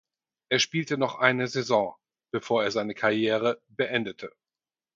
Er spielte noch eine Saison, bevor er seine Karriere beendete.